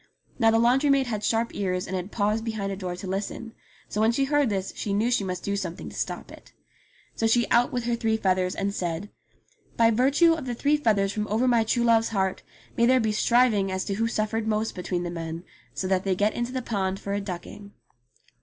Now the laundry maid had sharp ears and had paused behind a door to listen ; so when she heard this she knew she must do something to stop it. So she out with her three feathers and said, "By virtue of the three feathers from over my true love's heart may there be striving as to who suffered most between the men so that they get into the pond for a ducking."